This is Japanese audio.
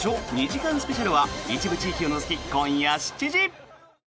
２時間スペシャルは一部地域を除き、今夜７時。